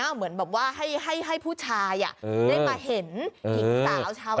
เหมือนแบบว่าให้ผู้ชายได้มาเห็นหญิงสาวชาว